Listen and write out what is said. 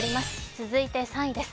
続いて３位です。